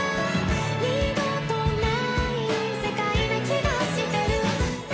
「二度とない世界な気がしてる」